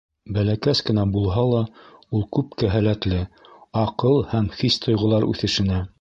Бәләкәс кенә булһа ла, ул күпкә һәләтле: аҡыл һәм хис-тойғолар үҫешенә...